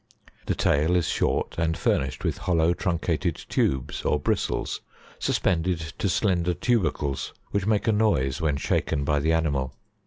The tail is short, and furnished with hollow truncated tubes or bristles, suspended to slender tubercles, which make a noise when shaken by the animal.